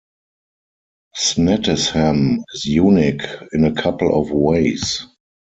Snettisham is unique in a couple of ways.